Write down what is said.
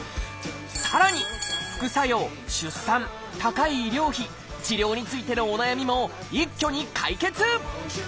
さらに「副作用」「出産」「高い医療費」治療についてのお悩みも一挙に解決！